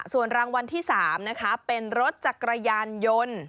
ส่วนรางวัลที่๓นะคะเป็นรถจักรยานยนต์